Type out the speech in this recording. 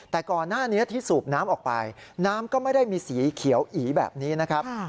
แต่ก่อนหน้านี้ที่สูบน้ำออกไปน้ำก็ไม่ได้มีสีเขียวอีแบบนี้นะครับ